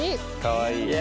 かわいい。